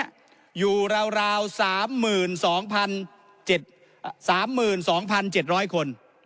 อยู่ราวสามหมื่นสองพันเจ็ดสามหมื่นสองพันเจ็ดร้อยคน